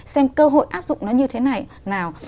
xem cơ hội áp dụng nó như thế nào